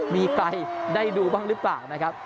มีใครได้ดูบ้างหรือเปล่านะครับ